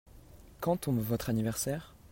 Quand tombe votre anniversaire ?